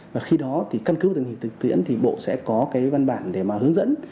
và khi đó thì căn cứ tình hình thực tiễn thì bộ sẽ có cái văn bản để mà hướng dẫn